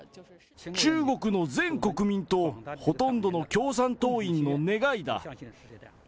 中国の全国民とほとんどの共産党員の願いだ。